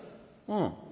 うん。